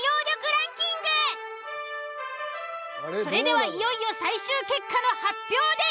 それではいよいよ最終結果の発表です。